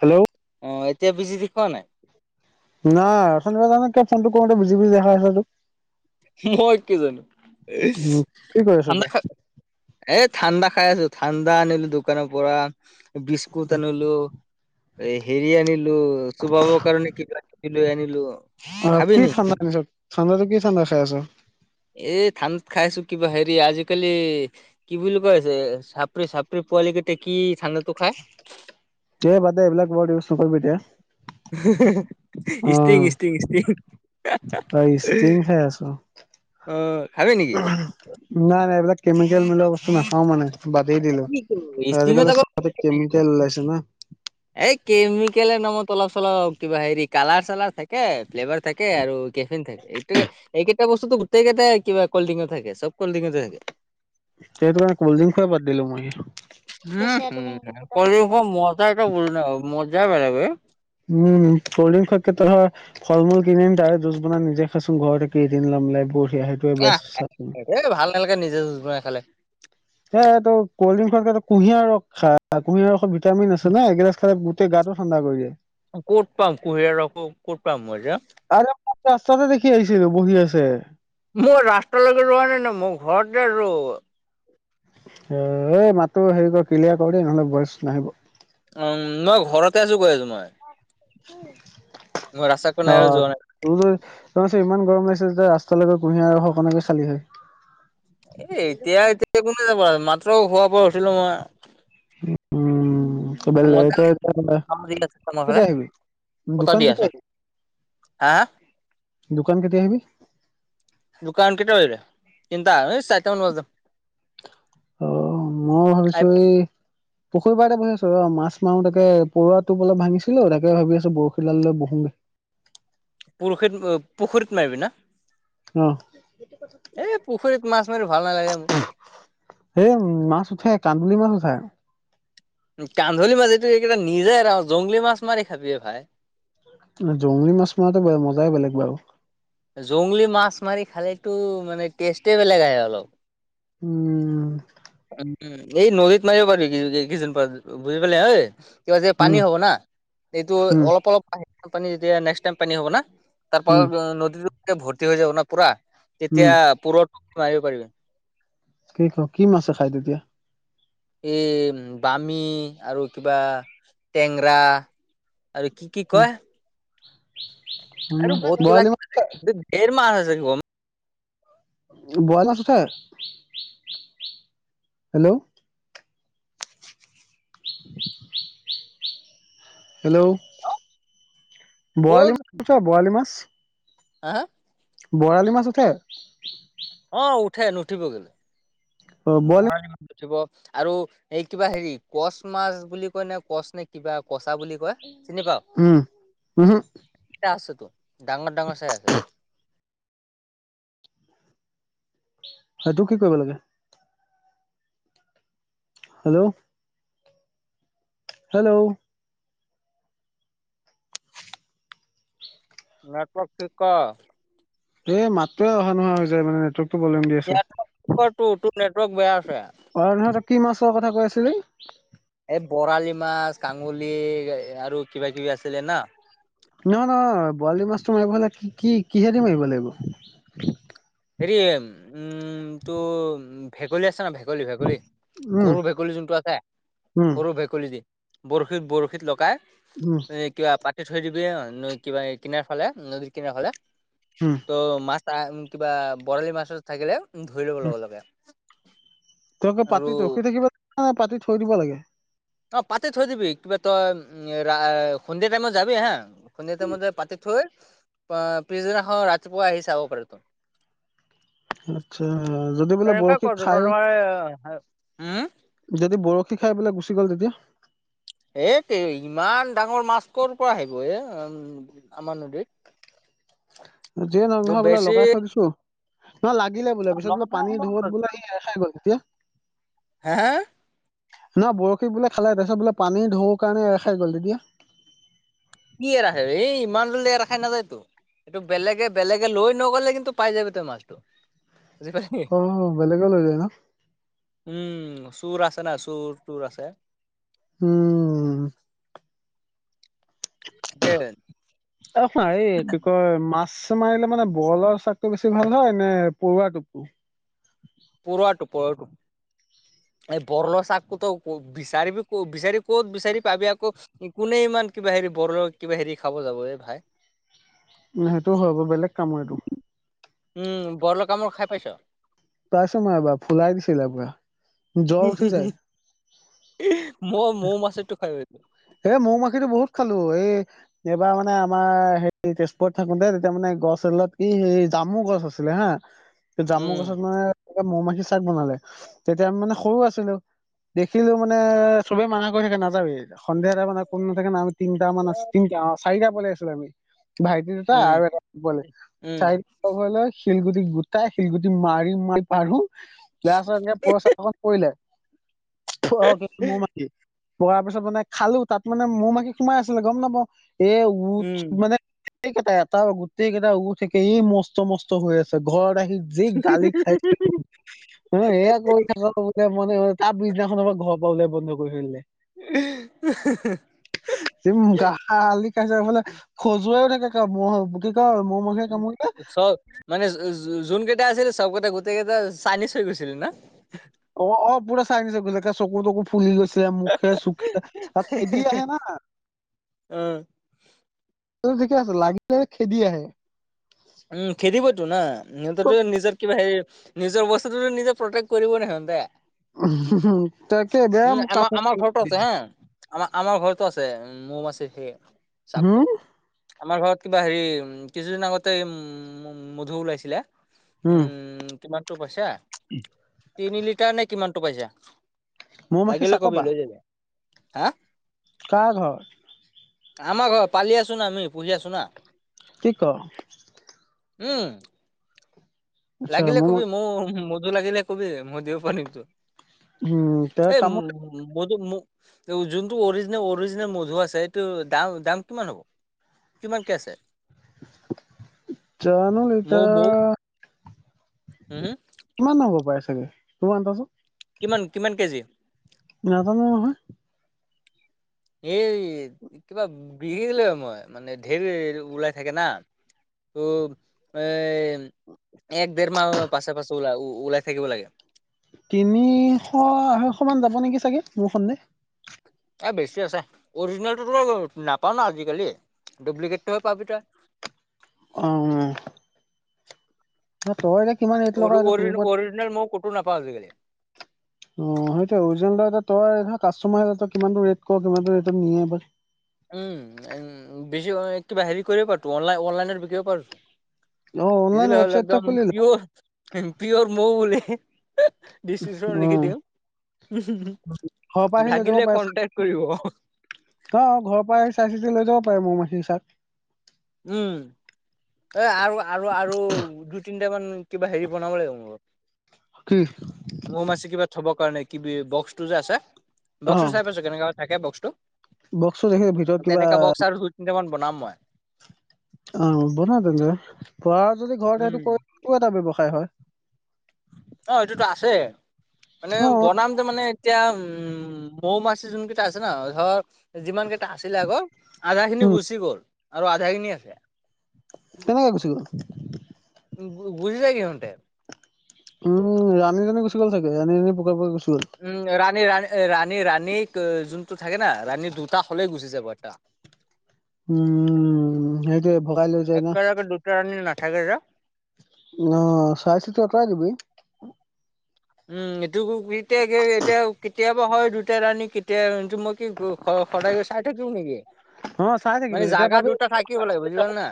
Hello. অ', এতিয়া [unintelligible] নাই। নাই, অথনিপা জানে কিয় ফোনটো কৰোতে বিজি, বিজি দেখা আছে তোক? মই কি জানো? উম কি কৰি আছ এতিয়া [inaudible] এ, ঠাণ্ডা খাই আছো, ঠাণ্ডা আনিলো দোকানৰ পৰা, বিস্কুট আনিলো। এই হেৰি আনিলো, চোবাবৰ কাৰণে কিবা-কিবি লৈ আনিলো, অ খাবি নেকি? [unintelligible] ঠাণ্ডাটো কি ঠাণ্ডা খাই আছা? এই ঠাণ্ড খাইছো কিবা হেৰি আজিকালি কি বুলি কয় এ, যে, চাপৰি, চাপৰি পোৱালি কেইটা কি ঠাণ্ডাটো খাই? এ, বাদে এইবিলাক ৱৰ্ড ইউজ নকৰিবি এতিয়া। [unintelligible] অ ইষ্টিং, ইস্তিং, ইষ্টিং [inaudible] তই ষ্টিং খাই আছো। অ', খাবি নেকি? নাই, নাই এইবিলাক কেমিকেল মিললোৱা বস্তু নাখাও মানে। বাদেই দিলো, ষ্টিঙত আজিকালি চ'বতে আকৌ কেমিকেল ওলাইছে না। এই কেমিকেলৰ নামত অলপ-চলপ কিবা হেৰি কালাৰ-চালাৰ থাক কে, ফ্লেভাৰ থাকে আৰু কেফিন থাকে, এইটো এইকেইটা বস্তুটো গোটেইকেইটা কিবা কল্ড্ৰিংত থাকে, চ'ব কল্ড্ৰিংতে থাকে। সেইটো কাৰেণে কলড্ৰিং খোৱাই বাদ দিলো মই। উম, হম কল্ডিং খোৱাৰ মজাই তই বুজি নাপাবি, মজাই বেলেগ বে। উম ক'ল্ড ড্ৰিংক খোৱাতকে তই ফল-মূল কিনি আনি তাৰে যুজ বনাই নিজে খাইচোন ঘৰতে, কেইদিন [unintelligible] বঢ়িয়া সেইটোৱে বেষ্ট [unintelligible] চাচোন এ, ভাল নেলাগে নিজে যুজ বানাই খালে। এই এইটো কল্ড্ৰিং খুৱাতকৈ কুঁহিয়াৰ ৰস খা, কুঁহিয়াৰ ৰসত ভিটামিন আছে না এগিলাছ খালে গো তেই গাতো ঠাণ্ডা কৰি দিয়ে। ক'ত পাম কুঁহিয়াৰ ৰস, মই ক'ত পাম মই এতিয়া? [unintelligible] ৰাস্তাতে দেখি আহিছিলো বহি আছে। মোৰ ৰাস্তালৈকে যোৱা নাই ন মই ঘৰতে আছোঁ। এই, মাতো হেৰি কৰ, ক্লিয়াৰ কৰো দেই, নহ'লে ভইচ নাহিব। উম' মই ঘৰতে আছো, গৈ আছো মই। [unintelligible] ৰাস্তা কোনাই আৰু যোয়া নাই। ত [unintelligible] ইমান গৰম লাগিছে যে ৰাস্তালৈকে কুঁহিয়া ৰস অকণকে খালি হয় এ' এতিয়া-এতিয়া কোনে যাব মাত্ৰ খোৱা পৰা উঠিলো মই। উম'। উম' [unintelligible] মজা লাগিছে আমাৰ ফালে। কেতিয়া আহিবি দোকান কেতিয়া আহিবি? হাঁ? দোকান কেতিয়া আহিবি? দোকান কেইটা বজাত? এই চাৰিটা মান বজাত। অ', মই আহি ভাবিছো এই- পুখুৰী পাৰতে বহি আছো ৰ' মাছ মাৰো তাকে পৰুৱা অলপ ভাঙিছিলো তাকে ভাবি আছো বৰশী ডাল লৈ বহো নেকি। বৰশী পুখুৰীত মাৰিবি না? অ এই পুখুৰীত মাছ মাৰি ভাল নালাগে মোৰ। এ' মাছ উঠে কান্দুলি মাছ উঠে। কান্দুলি মাছ এইটো এইকেইটা নিজে আৰু জংলী মাছ মাৰি খাবি অ' ভাই। জংলী মাছ মৰাটো ব মজাই বেলেগ বাৰু। জংলী মাছ মাৰি খালে তো মানে টেষ্টে বেলেগ আহে অলপ। উম। উম। উমঁ, এই নদীত মাৰিব পাৰি কিছুদিন বুজি পালি হয়। কিবা যে উম পানী হ'ব না, এইটো উম অলপ-অলপ ট মানে নেক্স টাইম পানী হ'ব না। তাৰ উম পাছত নদীতো ভৰ্তি হৈ যাব না পুৰা, উম তেতিয়া পুৰা ওঠাব মাৰিব পাৰিব। কি খাও, কি মাছে খাই তেতিয়া? এই বামি আৰু কিবা টেংৰা আৰু কি কি উম, কয়? উম। আৰু বহুত বৰালি মাছ উঠে, কিবা-কিবি ঢেৰ মাছ আছে। বৰালি মাছ ওঠে? হেল্ল'। [unintelligible] হেল্ল'। বৰালি ব'জ, মাছ উঠে বৰালি মাছ হাঁ-হাঁ? বৰালি মাছ উঠে? অঁ', -উঠে, নুঠিব কে'লে বৰালি মাছ উঠিব আৰু- এই কিবা হেৰি কচ মাছ বুলি কয় নে কচ নে কিবা কচা বুলি কয়। চিনি পাওঁ? উম উহো [inaudible] এ' আছে তো ডাঙৰ-ডাঙৰ চাই আছে। সেইটো কি কৰিব লাগে? হেল্ল'। হেল্ল'। নেটৱৰ্ক ঠিক কৰ। এই মাতটোৱে অহা-নোহাৱা হৈ যায় মানে নেট নেটৱৰ্ক টো ঠিক কৰ তোৰ নেটৱৰ্ক বেয়া হৈছে। অ' ধৰ কি মাছৰ কথা কৈ আছিলি? এই বৰালি মাছ, কান্দুলি আৰু কিবা-কিবি আছিলে না। নহয়-নহয়, বৰালি মাছটো মাৰিব হ'লে কি কিহে দি মাৰিব লাগিব? হেৰি উম' টো ভেকুলী আছে ন ভেকুলী ভেকুলী উম সৰু ভেকুলী যোনটো আছে, উম সৰু ভেকুলী দি। বৰশীত বৰশীত লগাই উম, এ কিবা পা থৈ দিবি অই নৈ কিবা কিনাৰ ফালে নদীৰ কিনাৰ ফালে। হু। ত' মাছ আ কিবা বৰালি মাছ চাছ থাকিলে ধৰি ল'ব লগে লগে। তেওঁহে আৰু পাতি ৰখি থাকিব লাগে নে পাতি থৈ দিব লাগে? অ পাতি থৈ দিবি, কিবা তই ৰা সন্ধিয়া টাইমত যাবি হা সন্ধিয়া টাইমত যাই পাতি থৈ আহ পিছদিনাখন ৰাতিপুৱা আহি চাব পাৰতো। আত্ছা যদি বোলে তেনেকুৱা বৰশী কৰ খাই তোমাৰ উম যদি বৰশী খাই পেলাই গুচি গ'ল তেতিয়া? এইটো ইমান ডাঙৰ মাছ কৰ পৰা আহিব এ আমাৰ নদীত। যিয়ে নহওঁক নহয় বোলে বেছি লগাই থৈ দিছু। নহ লাগিলে বোলে পিছত বোলে পানী ঢৌত বোলে সি এৰ খাই গ'ল তেতিয়া? হা হা না বৰশী বোলে খালে তাৰপিছত বোলে পানীৰ ঢৌৰ কাৰণে এৰ খাই গ'ল তেতিয়া? কি এৰাখে এই ইমান জলদি এৰা খাই নাযায়তো। এইটো বেলেগে বেলেগে লৈ নগ'লে কিন্তু পাই যাবি তই মাছটো। বুজি পালি অ' বেলেগ লৈ যায় ন? উম' চোৰ আছে নাই চুৰ তোৰ আছে। উম। তাকেহে। ঐ খুৰা এই কি কয় মাছ মাছ মাৰিলে মানে বৰলৰ চাকটো বেছি ভাল হয় নে পৰুৱা টোপটো? পৰৱা টোপ পৰুৱা টোপ। এই বৰলৰ চাকটোটো আকৌ বিচাৰিবি ক বিচাৰি ক'ত বিচাৰি পাবি আকৌ কোনে ইমান কিবা হেৰি বৰলৰ কিবা হেৰি খাব যাব এ ভাই। সেইটোও হয় বাৰু বেলেগ কামৰ এইটো। উম' বৰলৰ কামোৰ খাই পাইছ? পাইছোঁ মই এবাৰ, ফুলাই দিছিলে পুৰা। জ্বৰ উঠি যায়। [unintelligible] মই মৌ মাখিৰটো খাই পাইছোঁ। এ মৌ মাখিটো বহুত খালো এই এইবাৰ মানে আমাৰ হেৰি তেজপুৰত থাকোঁতে, তেতিয়া মানে গছ এডালত কি সেই জামু গছ আছে। আছিলে হা। উম জামুগছত মানে এটা মৌ মাখি চাদ বনালে তেতিয়া আমি মানে সৰু আছিলোঁ দেখিলো মানে চবে মানা কৰি থাকে নাযাবি এতিয়া। সন্ধিয়া টাইমত মানে কোনো নাথাকে ন আমি তিনিটা মান তিনি চাৰিটা পোৱালি আছিলোঁ আমি। ভাইটি দুটা উম আৰু এটা পোৱালি, উম চাই লগ হৈ লৈ শিলগুটি গোটাই শিলগুটি মাৰি মাৰি পাৰোঁ। তাৰপিছত এনেকে [unintelligible] পৰিলে অ কিন্তু মো মাখি। পৰা পিছত মানে খালো। তাত মানে মৌ মাখি সোমাই আছিলে গম নাপাওঁ এ উঠ উম মানে গোটেই কেইটা এটা গোটেই কেইটা উঠ একে এই মস্ত মস্ত হৈ আছে ঘৰত আহি যি গালি খাইছোঁ। অ' এয়া কৰি থাক বোলে মানে তাৰ পিছদিনাখনৰ পৰা ঘৰপৰা ওলোৱা বন্ধ কৰি থৈ দিলে। [unintelligible] উম গালি খাইছে মানে খজুৱাইও থাকে [unintelligible] কি কয় মাখিয়ে কামুৰিলে ওচ মানে যো যোন কেইটা আছিল চবতে গোটেই কেইটা চাইনিজ হৈ গৈছিলে না অ অ পুৰা চাইনিচ হৈ গ' ল। একে চকু তকু ফুলি গৈছে, মুখে চুখে খেদি আহে না। আহ ত ঠিকে আছে লাগিলেই খেদি আহে। উম খেদিবইতো না ক'ত সিহঁতটোৱে নিজৰ কিবা হেৰি নিজৰ বস্তুটোতো নিজে প্ৰটেক্ট কৰিবই সিহঁতে। তাকে বেয়া কামুৰ। আমা আমাৰ ঘৰটো আছে মৌ মাখিৰ সেই চাকটো। হুম আমাৰ ঘৰত কিবা হেৰি কিছুদিন আগতে উম মধু ওলাইছিলে। উম' কিমানতটো পাইছা তিনি লিটাৰ নে কিমান টো পাইছা মৌ-মাখি লাগিলে কবি চাকপা লৈ যাবি। হা কাৰ ঘৰ? আমাৰ ঘৰৰত পালি আছোঁ না আমি, পুঢ়ি আছো না। কি ক উম লাগিলে কবি মৌ মধু লাগিলে কবি মই দিব পাৰিমটো উম তে এই কামত উম মধু মৌ যোনটো অৰিজিনেল অৰিজিনেল মধু আছে এইটো দাম দাম কিমান হ'ব? কিমানকে আছে? জানো ইতা মৌ মৌ হম হম কিমান হ'ব পাৰে চাগে, কিমান কচোন? কিমান কিমান কেজি? নাজানো নহয়। এই কিবা বিকি দিলো মই মানে ধেৰ ওলাই থাকে না। ত এ এক দেৰ মাহ পাছে পাছে ওলাই ও ওলাই থাকিব লাগে। তিনিশ, অৰৈশ মান যাব নেকি চাগে মোৰ সন্দেহ। এই বেছি আছে, অৰিজিনেলটোতো নাপাওঁ ন আজিকালি, ডব্লিকেটটোৱে পাবি তই। অ' তইৰে কিমান ৰেত অৰু অৰিজিন, অৰিজিনেল মই ক'তো নাপাওঁ আজিকালি। অ, সেইটোৱে অৰিজিনেল এটা তই কাষ্টমাৰ এটাক কিমানটো ৰেট ক, কিমানটো ৰেটত নিয়ে বা। উম উম বেছি হয় কিবা হেৰি কৰিব পাৰোটো অনলাইন অনলাইনত বিক্ৰীব পৰোটো অ দি অনলাইন দিলেই হ'ল ৱেবচাইট এটা একদম খুলি ল পিউৰ, পিউৰ মৌ বুলি ডিচিছন অ লিখি দিওঁ। ঘৰৰ পৰা আহি লৈ যাব লাগিলে পাৰে চাগে কণ্টেক্ট কৰিব। অ ঘৰৰ পৰাই চাই চিতি লৈ যাব পাৰে মৌ মাখি চাত। উম। এ আৰু আৰু আৰু দুই, তিনটামান কিবা হেৰি বনাব লাগিব মোৰ লগত কি? মৌ মাছি কিবা থবৰ কাৰণে কিবি বক্সটো যে আছে। অ বক্সটো চাই পাইছো কেনেকা থাকে বক্সটো, বক্সটো দেখি ভিতৰত কিবা তেনেকা বক্স আৰু দুই, তিনটামান বনাম মই। অ বনা তেন্তে পাৰা যদি ঘৰত এইটো উম কৰিলোঁ এটা ব্যৱসায় হয়। অ' এইটোতো আছে, মানে অ বনাম তে মানে। এতিয়া উম মৌ-মাছি যোনকিটা আছে ন ধৰ যিমান কেইটা আছিলে আগৰ, আধা খিনি উম গুচি গ'ল আৰু আধা খিনি আছে। কেনেকে গুচি গ'ল। গো-গুচি যায় সিহঁতে। উম ৰাণীজনী গুচি গ'ল চাগে, ৰাণীজনী পুকে পুকুৰে গুচি গ'ল। উম ৰাণী ৰাণী ৰাণী ৰাণী যোনটো থাকে না, ৰাণী দুটা হ'লে গুচি যাব এটা। উম সেইটোৱে ভগাই লৈ যাই ন। একেলগে দুটা ৰাণী নাথাকে যে অ', চাই চিতি অতৰাই দিবি। উম এটোকো [unintelligible] এতিয়া [unintelligible] কেতিয়াবা হয় দুটা ৰাণী, কেতিয়া মই কি গো স-সদায় গৈ চাই থাকিম নেকি। অ চাই থাকিবি মানে যেতিয়া জাগা পাবি দুটা থাকিব লাগিব বুজি পলা না,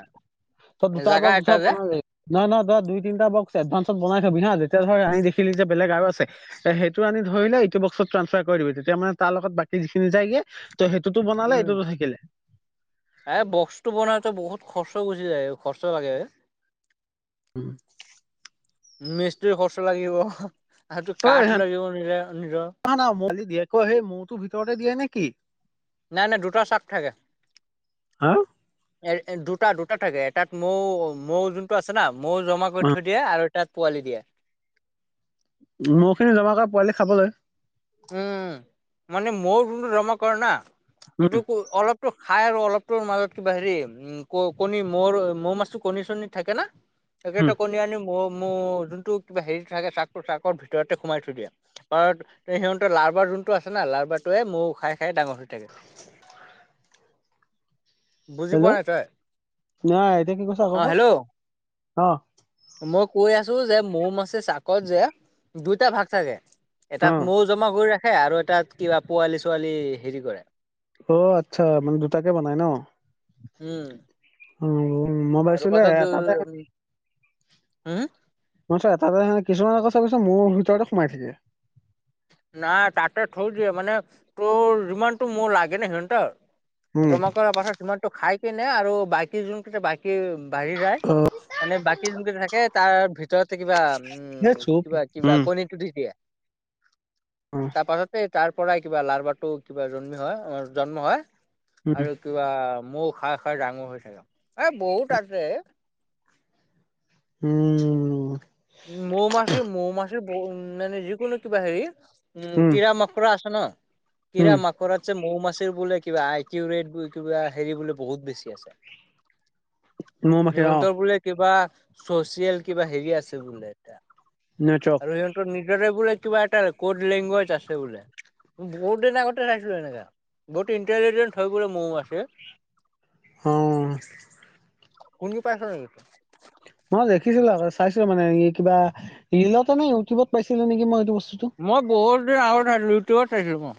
তই দুটা জাগা বক্স এটা ধৰ যে। বনালি নহয় নহয় ধৰা তই দুই, তিনটা বক্স এডভান্সত বনাই থবি হা, যেতিয়া ধৰ আনি দেখিলি যে বেলেগ আৰু আছে এ সেইটো আনি ধৰিলে ইটো বক্সত ট্ৰান্সফাৰ কৰি দিবি তেতিয়া মানে তাৰ লগত বাকী যিখিনি যায়গে টো সেইটোতো বনালে, উম এইটোতো থাকিলে। এ বক্সটো বনাইতে বহুত খৰচা গুচি যায়ও খৰচা লাগে এ। উম। মিস্ত্ৰী খৰচা লাগিব, সেইটো কাঠ লাগিব নিজে নিজৰ। না না আজি [unintelligible] মূৰটো ভিতৰতে দিয়ে নেকি। না না দুটা চাত থাকে। হা এ দুটা দুটা থাকে এটাত মৌ, মৌ যোনটো আছে না মৌ জমা কৰি অ থৈ দিয়ে আৰু এটাত পোৱালি দিয়া। মৌখিনি জমা কৰে পোৱালি খাবলৈ। উম, মানে মৌ যোনটো জমা কৰে না। উম এইটো অলপটো খাই আৰু অলপটোৰ মাজত কিবা হেৰি। উম ক কণী মৌ মৌৰ মাজটোত কণী চণী থাকে না। উম সেইকেইটা কণী আনি মৌ মৌ যোনটো কিবা হেৰি থাকে চাক চাকৰ ভিতৰতে সোমাই থৈ দিয়ে। [unintelligible] সিহঁতে লাৰবাৰ যোনটো আছে না লাৰবাৰটোৱে মৌ খাই খাই ডাঙৰ হৈ থাকে। বুজি হেল্ল', পোৱা নাই তই নাই এতিয়া কি কৈছ আকৌ অ ক, হেল্ল' অ। মই কৈ আছো যে মৌ মাছে চাকত যে, দুইটা ভাগ থাকে। অ এটাত মৌ জমা কৰি ৰাখে আৰু এটাত কিবা পোৱালি-ছোৱালী হেৰি কৰে। অ' আচ্ছা মানে দুটাকে বনাই ন। উম। [unintelligible] আৰু এটাতে [unintelligible] হম্ [unintelligible] এটা যে কিছুমানে কথা কৈছে মৌৰ ভিতৰতে সোমাই থাকে। নাই তাতে থৈ দিয়ে মানে, তোৰ যিমানটো মৌ লাগে ন সিহঁনতক। উম জমা কৰাৰ পাছত সিমানটো খাই কিনে আৰু বাকী যোনকেইটা বাকী বাঢ়ি যায়। অ মানে বাকী যোনকেইটা থাকে তাৰ ভিতৰতে কিবা, সেই উম চুপ কিবা কিবা উম কণীটো দি দিয়ে। অ তাৰ পাছতে তাৰ পৰাই কিবা লাৰবাৰটো কিবা জন্মি হয় জন্ম হয়। উম আৰু কিবা মৌ খাই খাই ডাঙৰ হৈ ছাগে, এ বহুত আছে এ। উম। মৌ মাসি, মৌ মাসি মৌ মানে যিকোনো কিবা হেৰি। উম কিৰা মকৰা আছে ন, উম কিৰা মক কৰাতছে মৌ মাসিৰ বোলে কিবা আই কিউ ৰেট কিবা হেৰি বোলে বহুত বেছি আছে। [inaudible] মৌমাখি অ সিহঁতৰ বোলে কিবা চচিয়েল কিবা হেৰি আছে বোলে এতিয়া নেটৱৰ্ক আৰু সিহঁতৰ নিজৰে বোলে কিবা এটা ক'ড লেংগুৱেজ আছে বোলে। বহুত দিন আগতে [unintelligible] এনেকা। বহুত ইণ্টেলিজেণ্ট হয় বোলে মৌ-মাখি? অ', শুনি পাইছ নেকি মই দেখিছিলোঁ আগতে চাইছিলে মানে ই কিবা ৰিলতে নে ইউটিউবত পাইছিলোঁ নেকি মই এইটো বস্তুটো। মই বহুত দিন আগত চাইছিলোঁ ইউটিউবত চাইছোঁ মই।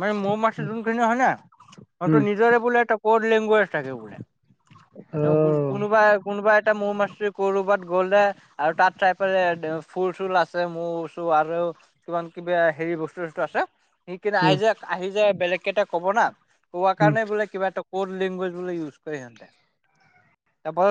মানে মৌ মাখি জোনপিনে হয়নে উম [unintelligible] নিজৰে বোলে এটা ক'ড লেংগুৱেজ থাকে বোলে অ [unintelligible] কোনোবা, কোনোবা এটা মৌ মাসি কৰবাত গ'লে আৰু তাত [unintelligible] কিছুমান কিবা হেৰি বস্তু-চস্তু আছে। কিন্তু আহি উম যে, আহি যে বেলেগ কেইটাক ক'ব না কোৱা উম কাৰণে বোলে কিবা ইহঁতক কড লেংগুৱেজ বুলে ইউজ কৰে এহেতে